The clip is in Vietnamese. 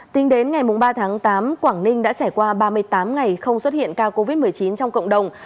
tính đến ngày ba tháng tám quảng ninh đã trải qua ba mươi tám ngày không xuất hiện ca covid một mươi chín trong cộng đồng